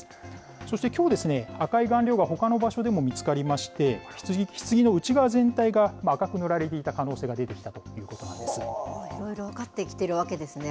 そしてきょうですね、赤い顔料がほかの場所でも見つかりまして、ひつぎの内側全体が赤く塗られていた可能性が出てきたということいろいろ分かってきているわけですね。